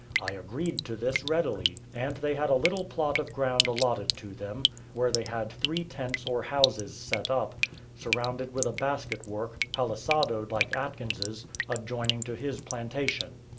I agreed to this readily; and they had a little plot of ground allotted to them, where they had three tents or houses set up, surrounded with a basket work, palisadoed like Atkins's, adjoining to his plantation.